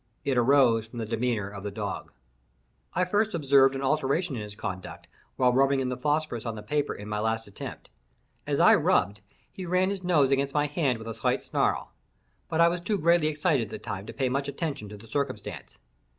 It arose from the demeanor of the dog. I first observed an alteration in his conduct while rubbing in the phosphorus on the paper in my last attempt. As I rubbed, he ran his nose against my hand with a slight snarl; but I was too greatly excited at the time to pay much attention to the circumstance.